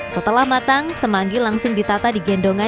setelah matang semanggi langsung ditata di gendongan